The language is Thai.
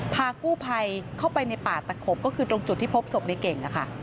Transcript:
พากู้ภัยเข้าไปในป่าตะขบก็คือตรงจุดที่พบศพในเก่ง